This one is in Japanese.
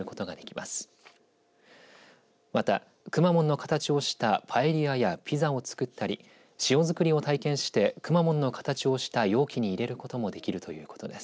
また、くまモンの形をしたパエリアやピザを作ったり塩作りを体験してくまモンの形をした容器に入れることもできるということです。